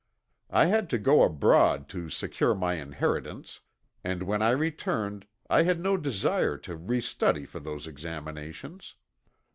I had to go abroad to secure my inheritance, and when I returned I had no desire to restudy for those examinations.